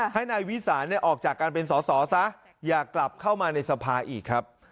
ให้นายวิสานออกจากการเป็นสอสอซะอย่ากลับเข้ามาในสภาอีกครับ